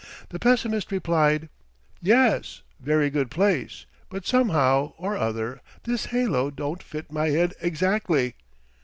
The pessimist replied: "Yes, very good place, but somehow or other this halo don't fit my head exactly."